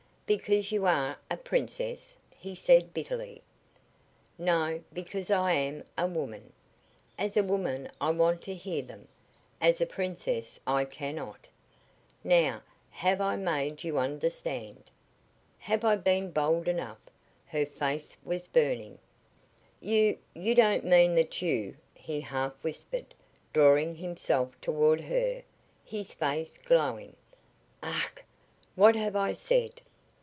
"Because you are a princess," he said, bitterly. "No; because I am a woman. As a woman I want to hear them, as, a princess I cannot. Now, have I made you understand? Have I been bold enough?" Her face was burning. "You you don't mean that you " he half whispered, drawing himself toward her, his face glowing. "Ach! What have I said?"